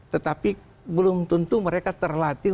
tetapi belum tentu mereka terlatih